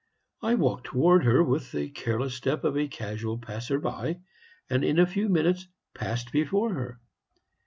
I walked towards her with the careless step of a casual passer by, and in a few minutes passed before her.